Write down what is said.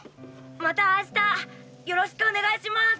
また明日よろしくお願いします！